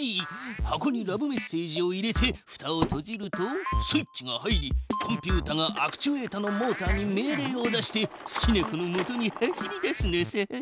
箱にラブメッセージを入れてふたをとじるとスイッチが入りコンピュータがアクチュエータのモータに命令を出して好きな子のもとに走りだすのさ。